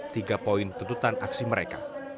tiga poin tuntutan aksi mereka